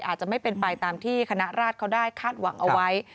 อาจจะไม่เป็นไปตามที่คณะราชเขาได้คาดหวังเอาไว้